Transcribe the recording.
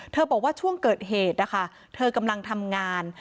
เธอบอกว่าช่วงเกิดเหตุทำงานกำลังทำงาน